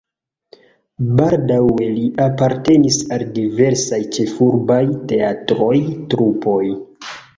Baldaŭe li apartenis al diversaj ĉefurbaj teatraj trupoj.